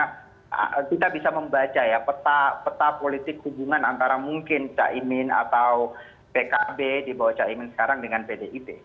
nah kita bisa membaca ya peta politik hubungan antara mungkin caimin atau pkb di bawah caimin sekarang dengan pdip